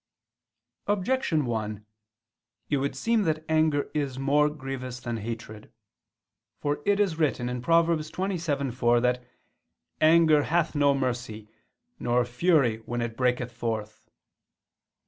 Objection 1: It would seem that anger is more grievous than hatred. For it is written (Prov. 27:4) that "anger hath no mercy, nor fury when it breaketh forth."